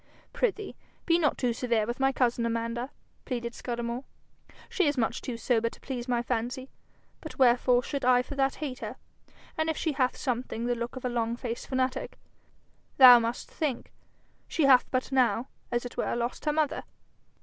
'Prithee, be not too severe with my cousin, Amanda,' pleaded Scudamore. 'She is much too sober to please my fancy, but wherefore should I for that hate her? And if she hath something the look of a long faced fanatic, thou must think, she hath but now, as it were, lost her mother.'